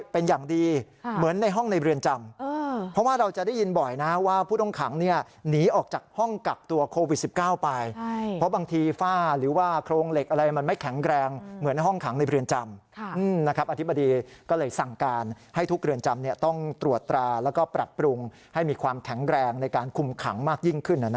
เป็นอย่างดีเหมือนในห้องในเรือนจำเพราะว่าเราจะได้ยินบ่อยนะว่าผู้ต้องขังหนีออกจากห้องกักตัวโควิด๑๙ไปเพราะบางทีฝ้าหรือว่าโครงเหล็กอะไรมันไม่แข็งแรงเหมือนห้องขังในเรือนจำอธิบดีก็เลยสั่งการให้ทุกเรือนจำต้องตรวจตราแล้วก็ปรับปรุงให้มีความแข็งแรงในการคุมขังมากยิ่งขึ้น